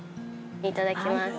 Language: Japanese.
いただきます。